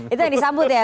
itu yang disambut ya